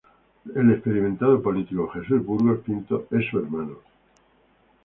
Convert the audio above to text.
El experimentado político Jesús Burgos Pinto es su hermano.